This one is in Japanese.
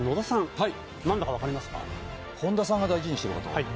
はい本田さんが大事にしてることはい